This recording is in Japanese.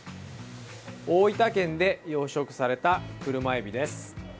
大分県で養殖されたクルマエビです。